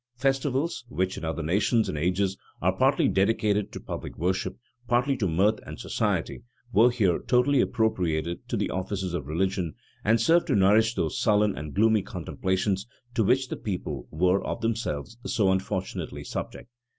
[*] Festivals, which, in other nations and ages, are partly dedicated to public worship, partly to mirth and society, were here totally appropriated to the offices of religion, and served to nourish those sullen and gloomy contemplations to which the people were, of themselves, so unfortunately subject.